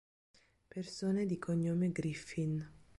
Persone di cognome Griffin